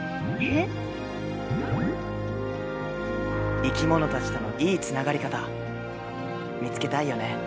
生き物たちとのいいつながり方見つけたいよね。